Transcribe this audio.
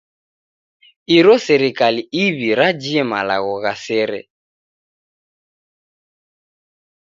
Iro serikali iw'i rajie malagho gha sere.